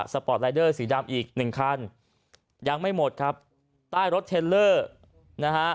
ปอร์ตรายเดอร์สีดำอีกหนึ่งคันยังไม่หมดครับใต้รถเทลเลอร์นะฮะ